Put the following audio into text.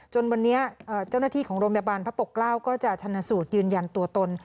จนวันนี้เจ้าหน้าที่ของโรงพยาบาลพระปกเกล้าก็จะชนะสูตรยืนยันตัวตน